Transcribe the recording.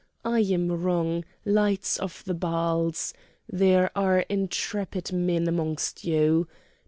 I am wrong, lights of the Baals; there are intrepid men among you!